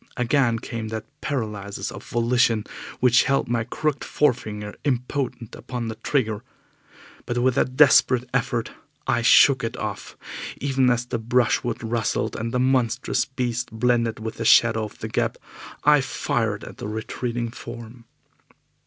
Again came that paralysis of volition which held my crooked forefinger impotent upon the trigger. But with a desperate effort I shook it off. Even as the brushwood rustled, and the monstrous beast blended with the shadow of the Gap, I fired at the retreating form.